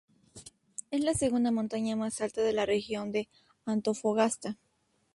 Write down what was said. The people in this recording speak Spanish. Es la segunda montaña más alta de la Región de Antofagasta.